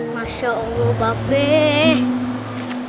masya allah bapak